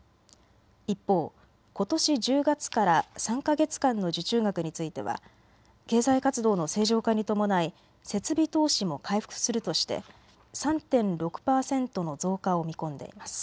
一方、ことし１０月から３か月間の受注額については経済活動の正常化に伴い、設備投資も回復するとして３．６％の増加を見込んでいます。